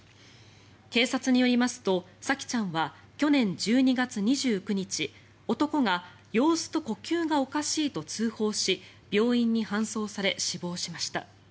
警察によりますと沙季ちゃんは去年１２月２９日、男が様子と呼吸がおかしいと通報し病院に搬送され、死亡しました。